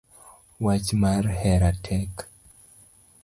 Wach mar hera tek